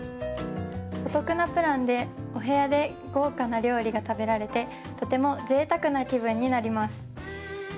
お得なプランでお部屋で豪華な料理が食べられてとても贅沢な気分になります。